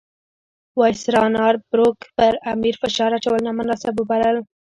وایسرا نارت بروک پر امیر فشار اچول نامناسب وبلل.